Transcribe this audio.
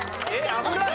危ない。